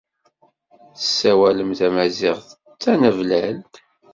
Tessawalem tamaziɣt d tanablalt.